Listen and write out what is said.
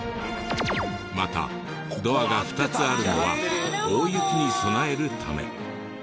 またドアが２つあるのは大雪に備えるため。